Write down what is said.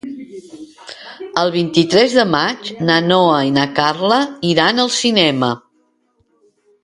El vint-i-tres de maig na Noa i na Carla iran al cinema.